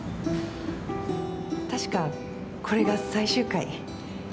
確かこれが最終回。